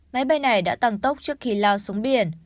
máy bay này đã tăng tốc trước khi lao xuống biển